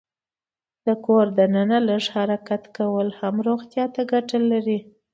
د کور دننه لږ حرکت کول هم روغتیا ته ګټه لري.